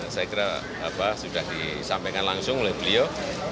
saya kira sudah disampaikan langsung oleh beliau